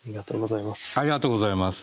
ありがとうございます。